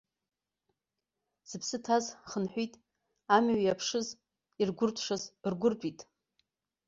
Зыԥсы ҭаз хынҳәит, амҩа иаԥшыз иргәыртәшаз ргәыртәит.